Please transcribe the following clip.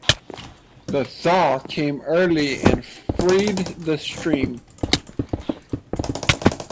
The thaw came early and freed the stream.